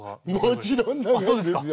もちろん長いですよ！